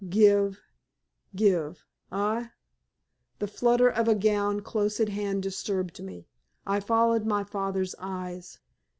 Give give ah!" The flutter of a gown close at hand disturbed me. I followed my father's eyes.